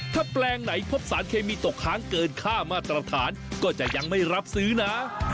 ถ้าแปลงไหนพบสารเคมีตกค้างเกินค่ามาตรฐานก็จะยังไม่รับซื้อนะ